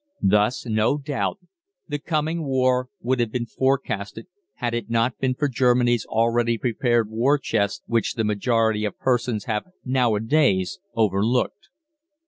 Thus, no doubt, the coming war would have been forecasted had it not been for Germany's already prepared war chest, which the majority of persons have nowadays overlooked.